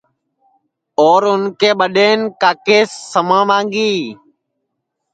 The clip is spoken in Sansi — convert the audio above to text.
اور اُن کے ٻڈین کاکیس سما مانگی